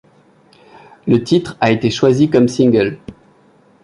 Le titre a été choisi comme single.